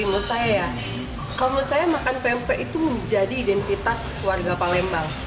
kalau menurut saya ya kalau menurut saya makan pempe itu menjadi identitas keluarga palembang